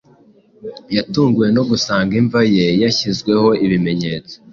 yatunguwe no gusanga imva ye yashyizweho ibimenyetso